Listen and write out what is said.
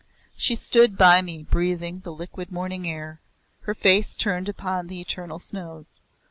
She stood by me breathing the liquid morning air, her face turned upon the eternal snows.